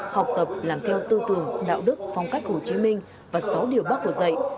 học tập làm theo tư tưởng đạo đức phong cách hồ chí minh và sáu điều bác hồ dạy